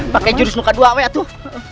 pakai jurus muka dua a tuh